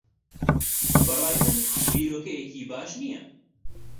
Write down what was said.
بە ڕای من بیرۆکەیەکی باش نییە.